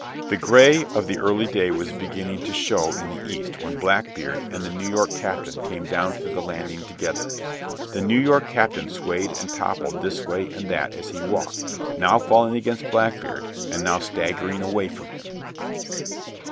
The gray of early day was beginning to show in the east when Blackbeard and the New York captain came down to the landing together. The New York captain swayed and toppled this way and that as he walked, now falling against Blackbeard, and now staggering away from him.